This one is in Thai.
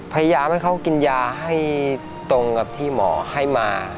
พยายามให้เขากินยาให้ตรงกับที่หมอให้มา